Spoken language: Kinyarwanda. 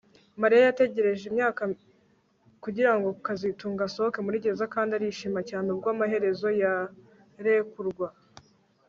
Mariya yategereje imyaka kugirango kazitunga asohoke muri gereza kandi arishima cyane ubwo amaherezo yarekurwa